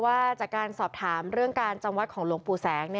ว่าจากการสอบถามเรื่องการจำวัดของหลวงปู่แสง